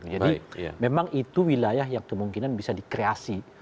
jadi memang itu wilayah yang kemungkinan bisa dikreasi